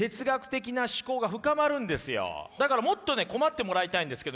だからもっと困ってもらいたいんですけど。